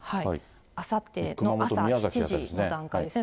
あさって朝７時の段階ですね。